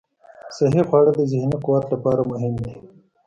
صحي خواړه د ذهني قوت لپاره مهم دي.